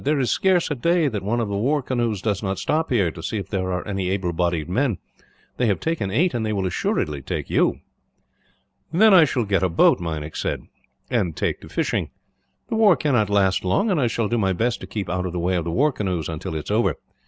"There is scarce a day that one of the war canoes does not stop here, to see if there are any able bodied men. They have taken eight, and they will assuredly take you." "Then I shall get a boat," he said, "and take to fishing. The war cannot last long, and I shall do my best to keep out of the way of the war canoes, until it is over.